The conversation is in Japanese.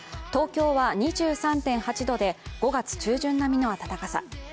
東京は２３．８度で、５月中旬並みの暖かさ。